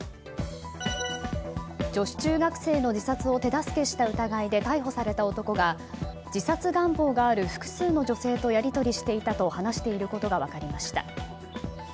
女子中学生の自殺を手助けした疑いで逮捕された男が自殺願望がある複数の女性とやり取りしていたと話していることが分かりました。